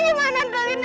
gimana dengan ini